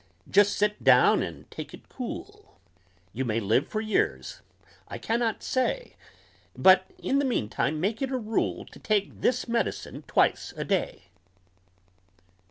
Just sit down and take it cool; You may live for years, I can not say; But, in the meantime, make it a rule To take this medicine twice a day!"